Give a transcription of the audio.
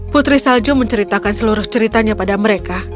putri salju menceritakan seluruh ceritanya pada mereka